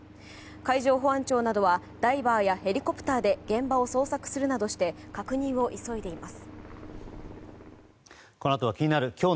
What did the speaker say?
海上保安庁などはダイバーやヘリコプターで現場を捜索するなどして確認を急いでいます。